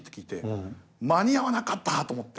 あっ間に合わなかった。